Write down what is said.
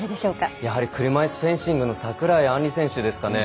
やはり車いすフェンシングの櫻井杏理選手ですかね。